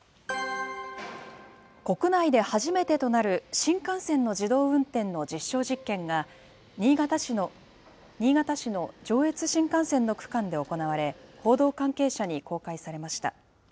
国内で初めてとなる、新幹線の自動運転の実証実験が、新潟市の上越新幹線の区間で行われ、報道関係者に公開されました。